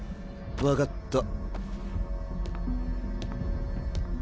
分かった。